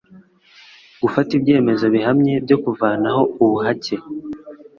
gufata ibyemezo bihamye byo kuvanaho ubuhake